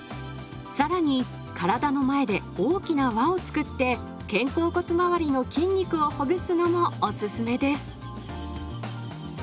更に体の前で大きな輪を作って肩甲骨周りの筋肉をほぐすのもおすすめです。